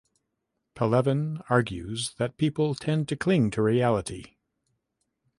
Pelevin argues that people tend to cling to reality.